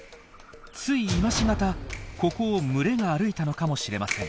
つい今し方ここを群れが歩いたのかもしれません。